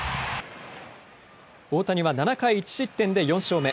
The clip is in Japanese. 大谷は７回１失点で４勝目。